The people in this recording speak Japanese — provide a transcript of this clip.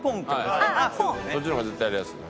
そっちの方が絶対やりやすいね。